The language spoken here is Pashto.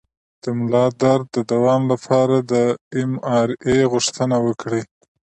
د ملا درد د دوام لپاره د ایم آر آی غوښتنه وکړئ